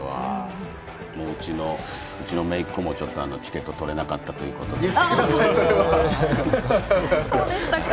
うちのめいっ子もチケット取れなかったということで。